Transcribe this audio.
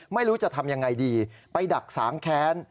ไม่รู้จะทำยังไงดีไปดักสางแค้น